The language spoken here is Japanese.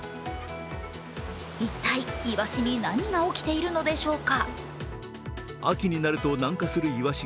一体、いわしに何が起きているのでしょうか。